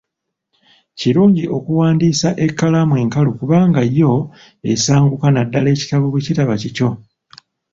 Kirungi owandiise ekkalaamu enkalu kubanga yo esanguka naddala ekitabo bwe kitba kikyo.